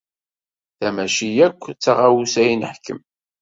Ta mačči akk d taɣawsa i neḥkem.